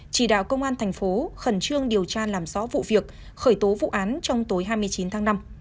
chỉ đạo công an thành phố khẩn trương điều tra làm rõ vụ việc khởi tố vụ án trong tối hai mươi chín tháng năm